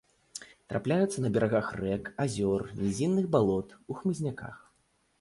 Трапляюцца на берагах рэк, азёр, нізінных балот, у хмызняках.